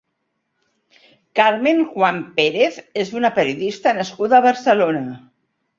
Carmen Juan Pérez és una periodista nascuda a Barcelona.